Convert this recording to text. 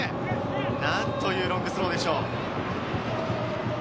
何というロングスローでしょう。